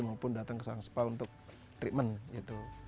maupun datang ke sang spa untuk treatment gitu